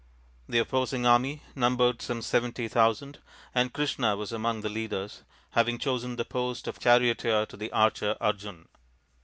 The opposing army numbered some seventy thousand, and Krishna was among the leaders, having chosen the post of charioteer to the archer Arjun.